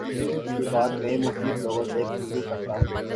تقریبات میں مختلف لوگوں سے گفتگو کرتا ہوں